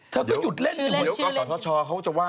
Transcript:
เดี๋ยวก็หยุดเล่นเดี๋ยวก็สวทชเขาจะว่าเอา